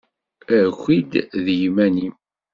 Aki-d d yiman-im!